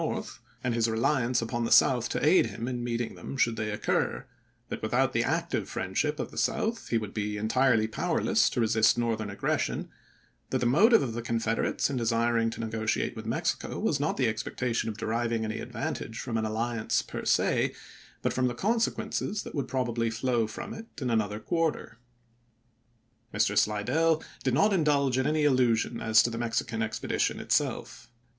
North, and his reliance upon the South to aid him in meeting them should they occur ; that without the active friendship of the South he would be en tirely powerless to resist Northern aggression; that the motive of the Confederates in desiring to negotiate with Mexico was not the expectation of deriving any advantage from an alliance per se, but from the consequences that would probably flow from it in another quarter. Mr. Slidell did not indulge in any illusion as to the Mexican expedition itself.